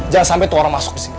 jangan sampai tuh orang masuk disini